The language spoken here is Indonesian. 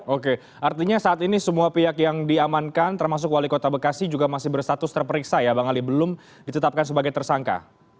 oke artinya saat ini semua pihak yang diamankan termasuk wali kota bekasi juga masih berstatus terperiksa ya bang ali belum ditetapkan sebagai tersangka